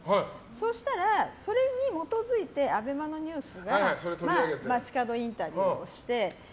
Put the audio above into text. そしたら、それに基づいてＡＢＥＭＡのニュースが街角インタビューをして。